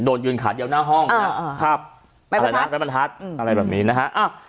โดนยืนขาดเดียวหน้าห้องอ่าครับอะไรแบบนี้นะฮะ